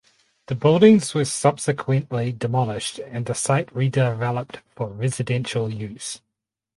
The buildings were subsequently demolished and the site redeveloped for residential use.